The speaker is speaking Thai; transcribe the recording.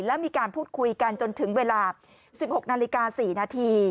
และมีการพูดคุยกันจนถึงเวลา๑๖นาฬิกา๔นาที